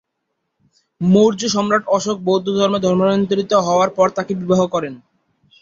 মৌর্য্য সম্রাট অশোক বৌদ্ধ ধর্মে ধর্মান্তরিত হওয়ার পর তাকে বিবাহ করেন।